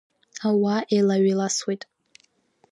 Ауаа еилаҩ-еиласуеит.